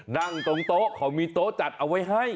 นั่งตรงโต๊ะเขามีโต๊ะจัดเอาไว้ให้